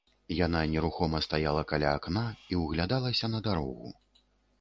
Яна нерухома стаяла каля акна і ўглядалася на дарогу.